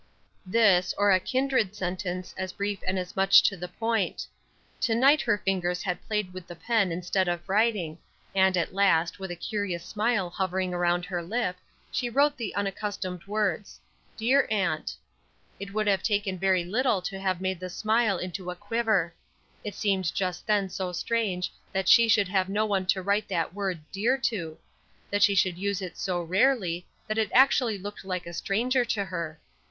This, or a kindred sentence as brief and as much to the point. To night her fingers had played with the pen instead of writing, and at last, with a curious smile hovering around her lip, she wrote the unaccustomed words, "Dear Aunt." It would have taken very little to have made the smile into a quiver; it seemed just then so strange that she should have no one to write that word "dear" to; that she should use it so rarely that it actually looked like a stranger to her.